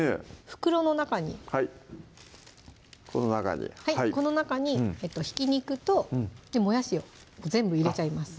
袋の中にはいこの中にこの中にひき肉ともやしを全部入れちゃいます